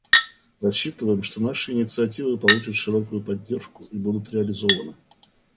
Рассчитываем, что наши инициативы получат широкую поддержку и будут реализованы.